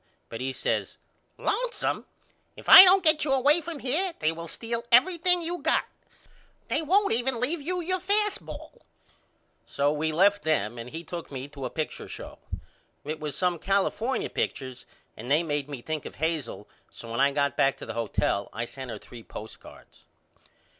But he says Lonesome. If I don't get you away from here they will steal everything you got. They won't even leave you your fast ball. So we left them and he took me to a picture show. It was some California pictures and they made me think of Hazel so when I got back to the hotel I sent her three postcards.